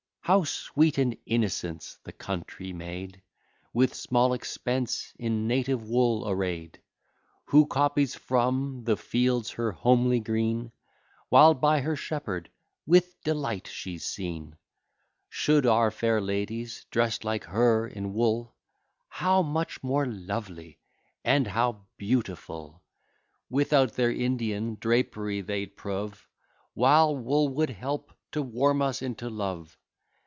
How sweet and innocent's the country maid, With small expense in native wool array'd; Who copies from the fields her homely green, While by her shepherd with delight she's seen! Should our fair ladies dress like her, in wool How much more lovely, and how beautiful, Without their Indian drapery, they'd prove! While wool would help to warm us into love!